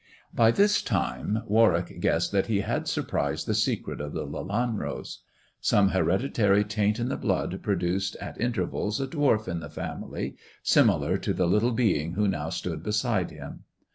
By this time Warwick guessed that he had surprised th secret of the Lelanros. Some hereditary taint in the bloo< product at intervals a dwarf in the family, similar to th little being who now stood beside him.